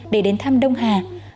để đến thăm đông hà